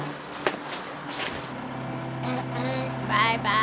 バイバイ！